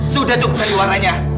sudah cukup sandiwaranya